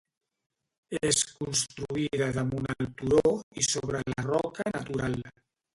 És construïda damunt el turó i sobre la roca natural.